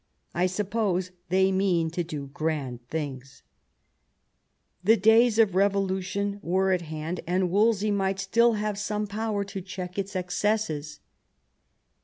I suppose they mean to do grand things," The days of revolution were at hand, and Wolsey might still have some power to check its excesses.